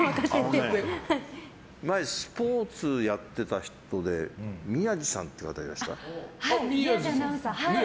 昔、スポーツやってた人で宮司さんって方がいますかね。